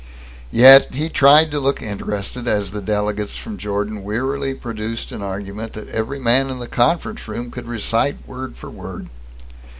Yet he tried to look interested as the delegate from Jordan wearily produced an argument that every man in the conference room could recite word for word.